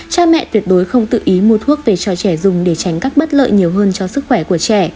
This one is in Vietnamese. cha mẹ tuyệt đối không tự ý mua thuốc về cho trẻ dùng để tránh các bất lợi nhiều hơn cho sức khỏe của trẻ